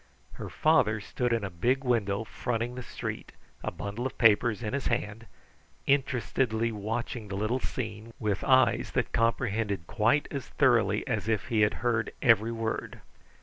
Her father stood in a big window fronting the street, a bundle of papers in his hand, interestedly watching the little scene, with eyes that comprehended quite as thoroughly as if he had heard every word.